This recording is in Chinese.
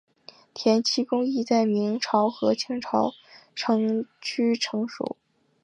填漆工艺在明朝和清朝越趋成熟。